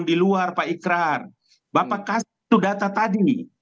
bapak kasih data tadi